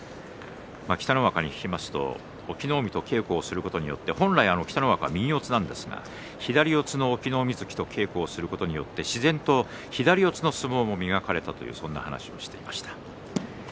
北の若に聞くと隠岐の海と稽古をすることによって本来、北の若は右四つですが左四つの隠岐の海関と稽古をすることで自然と左四つの相撲も磨かれたとそんな話もしていました。